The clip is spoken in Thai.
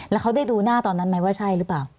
แล้วเขาได้ดูหน้าตอนนั้นไหมว่าใช่หรือเปล่า